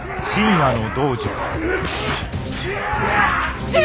父上！